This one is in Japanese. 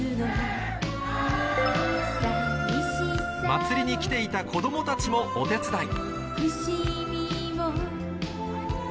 まつりに来ていた子供たちもお手伝い